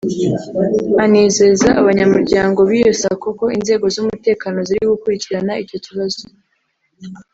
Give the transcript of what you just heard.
Anizeza abanyamuryango b’iyo Sacco ko inzego z’umutekano ziri gukurikirana icyo kibazo